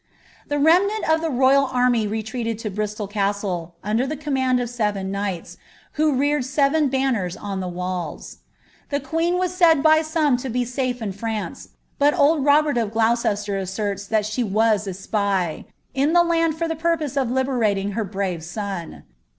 The remnant of the rojral army retreated to Bristol Castle, under the command of seven knights, who reared seven banners on the walls. The queen was said by some to be safe in France, but old Robert of Glouces ter asserts that she was etpy ^ in the land for the purpose of liberating her brave son.